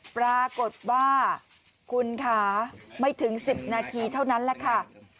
ปรากฏว่าคุณค่ะไม่ถึง๑๐นาทีเท่านั้นแหละค่ะ